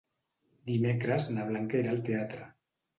Dimecres na Blanca irà al teatre.